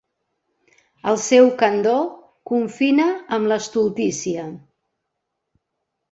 El seu candor confina amb l'estultícia.